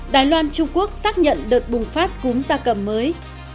đài loan trung quốc xác nhận đợt bùng phát cúm da cầm mới